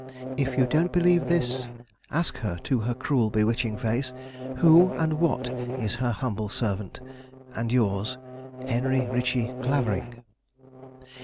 "If you don't believe this, ask her to her cruel, bewitching face, who and what is her humble servant, and yours. "Henry Ritchie Clavering."